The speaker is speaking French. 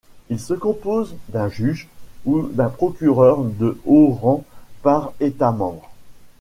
Il se compose d'un juge ou d'un procureur de haut rang par États membres.